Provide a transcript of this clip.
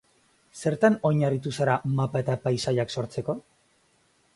Zertan oinarritu zara mapa eta paisaiak sortzeko?